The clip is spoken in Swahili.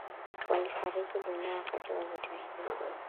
walifariki dunia wakati wa vita hivyo